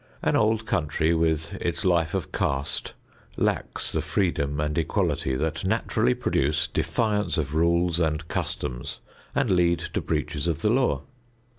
An old country with its life of caste lacks the freedom and equality that naturally produce defiance of rules and customs and lead to breaches of the law.